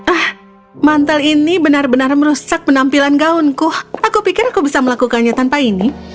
ah mantel ini benar benar merusak penampilan gaunku aku pikir aku bisa melakukannya tanpa ini